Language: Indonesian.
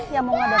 yang mau datang